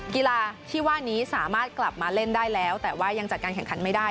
กีฬาที่ว่านี้สามารถกลับมาเล่นได้แล้วแต่ว่ายังจัดการแข่งขันไม่ได้